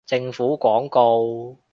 政府廣告